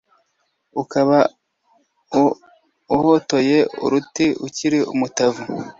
Ukaba uhotoye uruti Ukiri umutavu,